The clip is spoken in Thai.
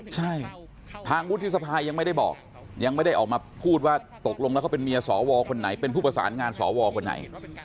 ใช่ทางวุฒิสภายังไม่ได้บอกยังไม่ได้ออกมาพูดว่าตกลงแล้วเขาเป็นเมียสวคนไหนเป็นผู้ประสานงานสวคนไหน